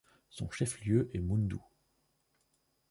Son chef-lieu est Moundou.